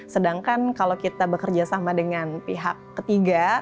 sedangkan kalau kita bekerja sama dengan pihak ketiga